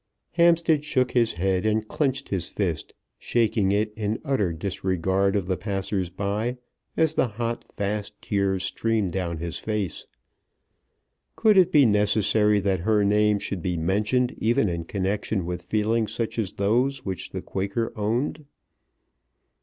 Hampstead shook his head and clenched his fist, shaking it, in utter disregard of the passers by, as the hot, fast tears streamed down his face. Could it be necessary that her name should be mentioned even in connection with feelings such as those which the Quaker owned.